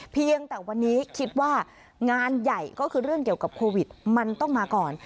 เพียงแต่วันนี้คิดว่างานใหญ่ก็คือเรื่องเกี่ยวกับโควิดมันต้องมาก่อน